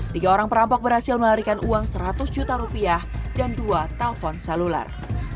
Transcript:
tiga orang perampok berhasil melarikan uang seratus juta rupiah dan dua telpon seluler